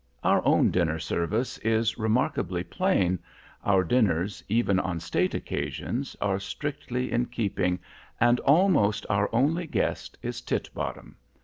Our own dinner service is remarkably plain, our dinners, even on state occasions, are strictly in keeping, and almost our only guest is Titbottom.